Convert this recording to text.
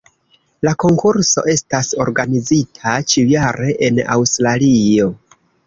La konkurso estas organizita ĉiujare en Aŭstralio.